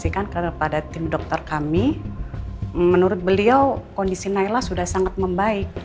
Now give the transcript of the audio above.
menurut dokter kami menurut beliau kondisi nailah sudah sangat membaik